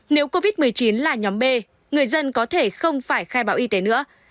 nếu covid một mươi chín là nhóm b người dân có thể không phải khai báo y tế nữa